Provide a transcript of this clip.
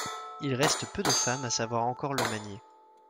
Il reste peu de femmes à savoir encore le manier.